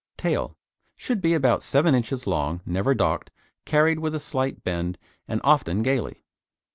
TAIL Should be about 7 inches long, never docked, carried with a slight bend and often gaily.